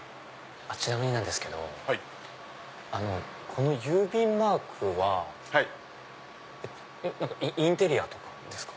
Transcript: ちなみになんですけどこの郵便マークはインテリアとかですか？